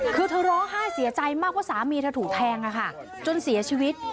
คือเธอร้องไห้เสียใจมากว่าสามีเธอถูกแทงจนเสียชีวิต